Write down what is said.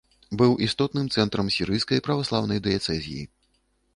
Быў істотным цэнтрам сірыйскай праваслаўнай дыяцэзіі.